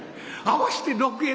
合わして６円。